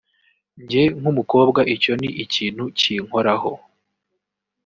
njye nk’umukobwa icyo ni ikintu kinkoraho